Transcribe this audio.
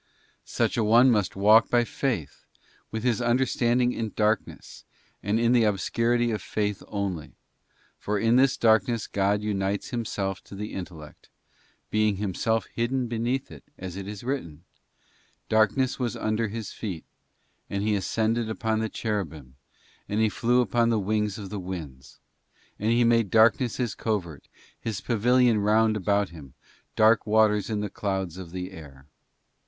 * Such an one must walk by faith, with his understanding in darkness, and in the obscurity of faith only ; for in this darkness God unites Himself to the intellect, being Himself hidden beneath it, as it is written: 'Darkness was under His feet, and He ascended upon the cherubim, and He flew upon the wings of the winds. And He made darkness His covert, His pavilion round about Him, dark waters in the clouds of the air.